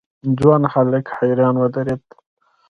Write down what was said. ځوان هک حيران ودرېد.